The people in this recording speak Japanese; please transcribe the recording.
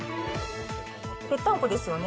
ぺったんこですよね。